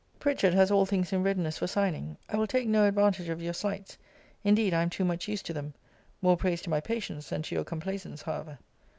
Pritchard has all things in readiness for signing. I will take no advantage of your slights. Indeed I am too much used to them more praise to my patience than to your complaisance, however.